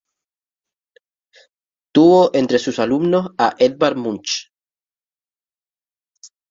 Tuvo entre sus alumnos a Edvard Munch.